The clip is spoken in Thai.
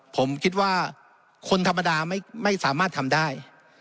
ผมคิดว่าคนธรรมดาไม่สามารถทำได้